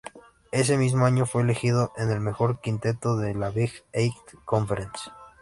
Ese mismo año fue elegido en el mejor quinteto de la Big Eight Conference.